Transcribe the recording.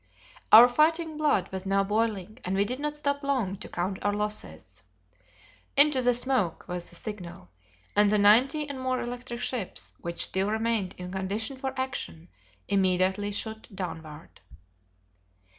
Our fighting blood was now boiling and we did not stop long to count our losses. "Into the smoke!" was the signal, and the ninety and more electric ships which still remained in condition for action immediately shot downward.